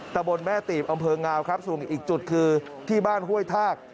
ตะบนแม่ตีบอำเภองาวครับส่วนอีกจุดคือที่บ้านห้วยทาก